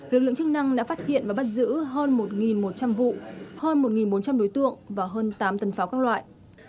lực lượng chức năng đã phát hiện và bắt giữ hơn một một trăm linh vụ hơn một bốn trăm linh đối tượng và hơn tám tấn pháo các loại